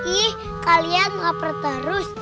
ih kalian lapar terus